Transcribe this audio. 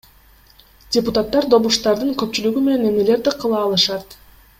Депутаттар добуштардын көпчүлүгү менен эмнелерди кыла алышат?